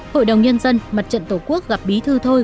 hội đồng nhân dân mặt trận tổ quốc gặp bí thư thôi